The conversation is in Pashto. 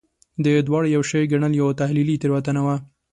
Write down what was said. دا دواړه یو شی ګڼل یوه تحلیلي تېروتنه وه.